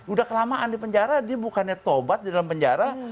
udah kelamaan di penjara dia bukannya tobat di dalam penjara